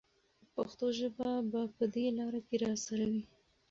پښتو ژبه به په دې لاره کې راسره وي.